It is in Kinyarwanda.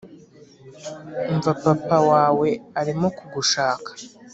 Umva papa wawe arimo kugushaka